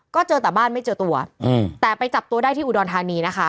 ก็เจอแต่บ้านไม่เจอตัวแต่ไปจับตัวได้ที่อุดรธานีนะคะ